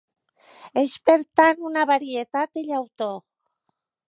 És, per tant, una varietat de llautó.